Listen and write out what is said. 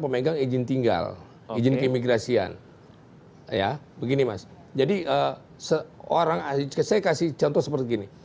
pemegang izin tinggal izin keimigrasian ya begini mas jadi seorang saya kasih contoh seperti gini